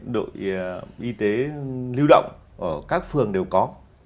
đội y tế lưu động ở các phường đều có